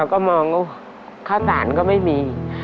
ก็มองข้าวสารก็ไม่มี